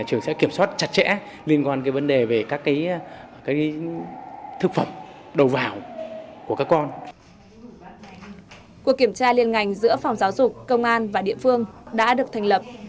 cuộc kiểm tra liên ngành giữa phòng giáo dục công an và địa phương đã được thành lập